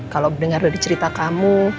kalau dengar dari cerita kamu